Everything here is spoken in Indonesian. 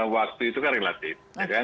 waktu itu kan relatif